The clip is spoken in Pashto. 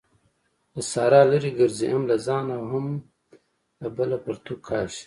له سارا لري ګرځئ؛ هم له ځانه او هم بله پرتوګ کاږي.